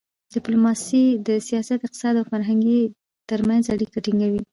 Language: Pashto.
ډیپلوماسي د سیاست، اقتصاد او فرهنګ ترمنځ اړیکه ټینګوي.